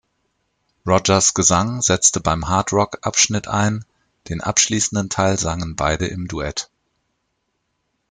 Rodgers’ Gesang setzte beim Hardrock-Abschnitt ein, den abschließenden Teil sangen beide im Duett.